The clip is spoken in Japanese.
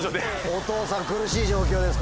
お父さん苦しい状況です